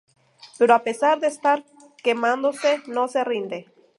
Pero a pesar de estar quemándose no se rinde.